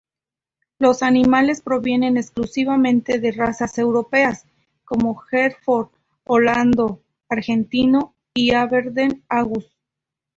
Los animales provienen exclusivamente de razas europeas como Hereford, Holando-Argentino y Aberdeen Angus.